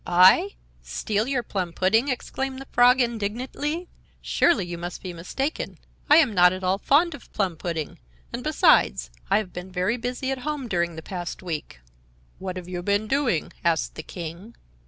"I! Steal your plum pudding!" exclaimed the Frog, indignantly. "Surely you must be mistaken! I am not at all fond of plum pudding, and, besides, I have been very busy at home during the past week." "What have you been doing?" asked the King.